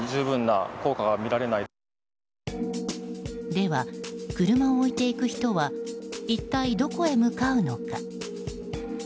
では車を置いていく人は一体どこへ向かうのか。